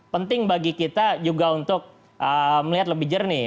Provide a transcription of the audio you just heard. penting bagi kita juga untuk melihat lebih jernih